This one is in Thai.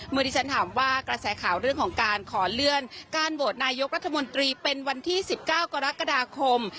ที่ฉันถามว่ากระแสข่าวเรื่องของการขอเลื่อนการโหวตนายกรัฐมนตรีเป็นวันที่๑๙กรกฎาคม